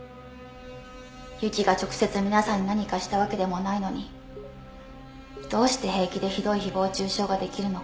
「ＹＵＫＩが直接皆さんに何かしたわけでもないのにどうして平気でひどい誹謗中傷ができるのか」